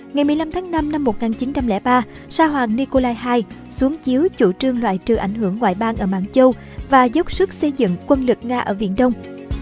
ngày một mươi năm tháng năm năm một nghìn chín trăm linh ba sa hoàng nikolai ii xuống chiếu chủ trương loại trừ ảnh hưởng ngoại bang ở mạng châu và dốc sức xây dựng quân lực nga ở viện đông